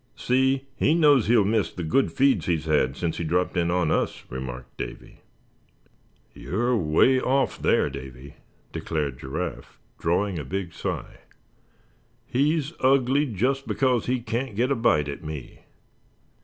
"See, he knows he'll miss the good feeds he's had since he dropped in on us," remarked Davy. "You're away off there, Davy," declared Giraffe, drawing a big sigh; "he's ugly just because he can't get a bite at me.